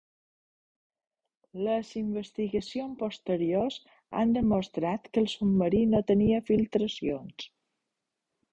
Les investigacions posteriors han demostrat que el submarí no tenia filtracions.